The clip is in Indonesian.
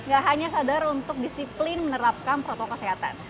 gak hanya sadar untuk disiplin menerapkan protokol kesehatan